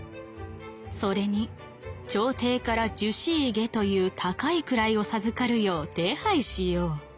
それに朝廷から従四位下という高い位を授かるよう手配しよう。